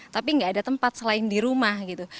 tapi nggak ada tempat selain di rumah gitu